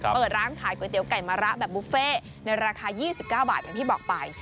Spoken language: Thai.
เปิดร้านขายก๋วยเตี๋ยไก่มะระแบบบุฟเฟ่ในราคา๒๙บาทอย่างที่บอกไป